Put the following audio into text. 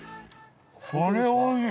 これはおいしい。